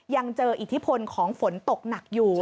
ยังเจออิทธิพลของฝนตกหนักอยู่